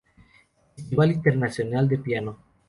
Festival Internacional de Piano.